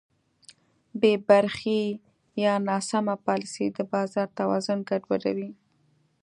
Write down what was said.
بېبرخې یا ناسمه پالیسي د بازار توازن ګډوډوي.